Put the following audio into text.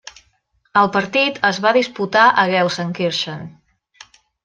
El partit es va disputar a Gelsenkirchen.